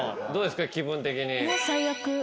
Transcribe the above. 気分的に。